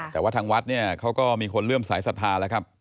แต่ว่าทางวัดเนี่ยเขาก็มีคนเริ่มสายศรัทธาแล้วครับ